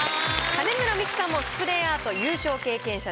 金村美玖さんもスプレーアート優勝経験者です。